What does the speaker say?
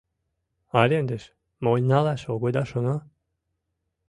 — Арендыш монь налаш огыда шоно?